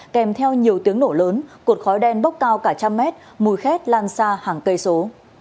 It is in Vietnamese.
kèm theo nhiều tiếng nổ lớn cột khói đen bốc cao cả trăm mét mùi khét lan xa hàng cây số